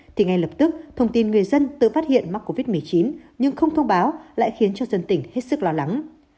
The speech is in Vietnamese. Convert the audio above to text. thì ngay lập tức thông tin người dân tự phát hiện mắc covid một mươi chín nhưng không thông báo lại khiến cho dân tỉnh hết sức lo lắng